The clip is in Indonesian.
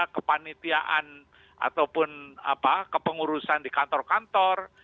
kepanitiaan ataupun kepengurusan di kantor kantor